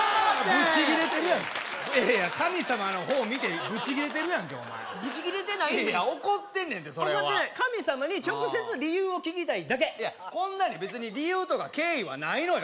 ブチ切れてるやん神様の方見てブチ切れてるやんけお前ブチ切れてないいやいや怒ってんねんてそれは怒ってない神様に直接理由を聞きたいだけこんなんに別に理由とか経緯はないのよ